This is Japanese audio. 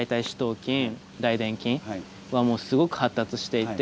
筋大臀筋はもうすごく発達していて。